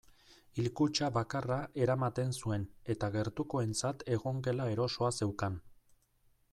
Hilkutxa bakarra eramaten zuen eta gertukoentzat egongela erosoa zeukan.